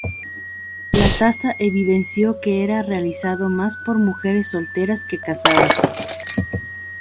La tasa evidenció que era realizado más por mujeres solteras que casadas.